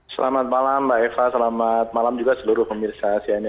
selamat malam mbak eva selamat malam juga seluruh pemirsa cnn